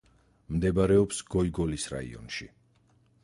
მდებარეობს გოიგოლის რაიონში.